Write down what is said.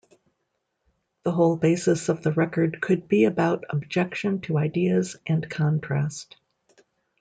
The whole basis of the record could be about objection to ideas, and contrast.